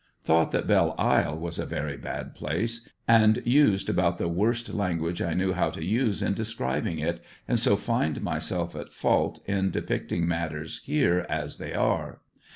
Thought that Belle Isle was a very bad place, and used about the worst language I knew how to use in describ ing it, and so find myself at fault in depicting matters here as they are